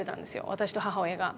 私と母親が。